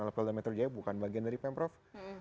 oleh pemprov bukan bagian dari pemprov